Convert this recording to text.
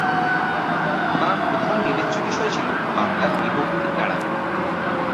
তাঁর প্রধান বিবেচ্য বিষয় ছিল বাংলার বিভক্তি এড়ানো।